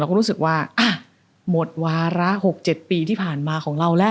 ก็รู้สึกว่าหมดวาระ๖๗ปีที่ผ่านมาของเราแล้ว